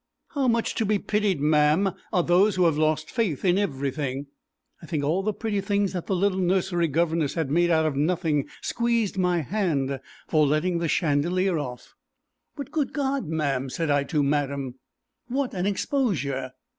How much to be pitied, ma'am, are those who have lost faith in everything." I think all the pretty things that the little nursery governess had made out of nothing squeezed my hand for letting the chandelier off. "But, good God, ma'am," said I to madam, "what an exposure."